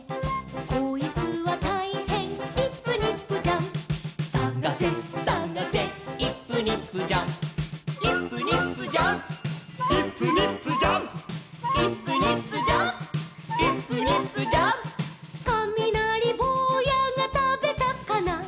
「こいつはたいへんイップニップジャンプ」「さがせさがせイップニップジャンプ」「イップニップジャンプイップニップジャンプ」「イップニップジャンプイップニップジャンプ」「かみなりぼうやがたべたかな」